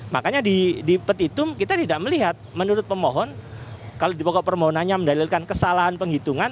makanya di petitum kita tidak melihat menurut pemohon kalau di pokok permohonannya mendalilkan kesalahan penghitungan